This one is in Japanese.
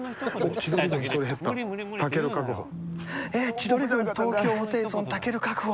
千鳥軍東京ホテイソンたける、確保。